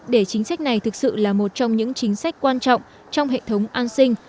để chính sách này thực sự là một trong những chính sách quan trọng trong hệ thống an sinh